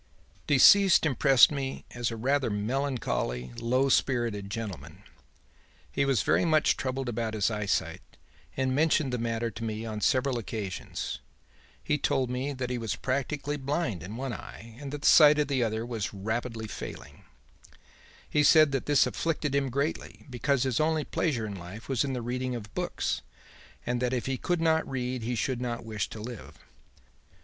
"'Deceased impressed me as a rather melancholy, low spirited gentleman. He was very much troubled about his eyesight and mentioned the matter to me on several occasions. He told me that he was practically blind in one eye and that the sight of the other was failing rapidly. He said that this afflicted him greatly, because his only pleasure in life was in the reading of books, and that if he could not read he should not wish to live.